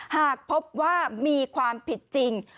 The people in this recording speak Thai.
หากพบว่ามีความผิดจริง